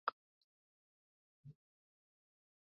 Bana baima bukali ju balitoka bila kulaka